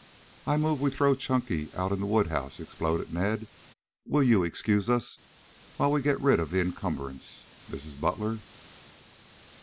"I move we throw Chunky out in the wood house," exploded Ned. "Will you excuse us while we get rid of the encumbrance, Mrs. Butler?"